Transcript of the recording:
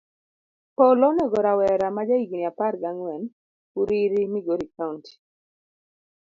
Polo onego rawera maja higni apar gi ang'wen uriri, migori kaunti.